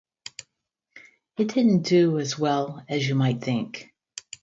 It didn't do as well as you might think.